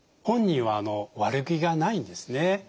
本人は悪気がないんですね。